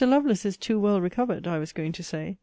Lovelace is too well recovered, I was going to say.